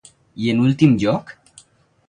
I en últim lloc?